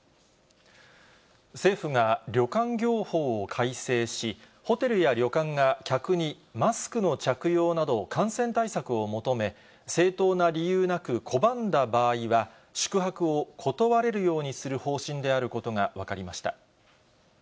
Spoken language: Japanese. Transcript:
政府が旅館業法を改正し、ホテルや旅館が客にマスクの着用など感染対策を求め、正当な理由なく、拒んだ場合は、宿泊を断れるようにする方針であることが分かりました。